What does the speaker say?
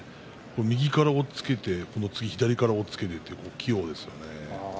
右から押っつけて左から押っつけて器用ですね。